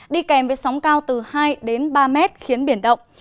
đi kèm với sóng cao từ hai đến ba mét khiến biển động